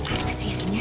apa sih isinya